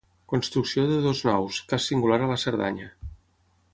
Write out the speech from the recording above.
Construcció de dues naus, cas singular a la Cerdanya.